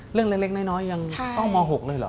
เล็กน้อยยังต้องม๖เลยเหรอ